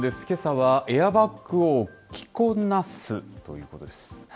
けさはエアバッグを着こなすということです。